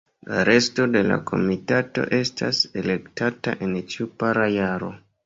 La resto de la komitato estas elektata en ĉiu para jaro.